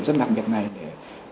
rất nặng biệt này để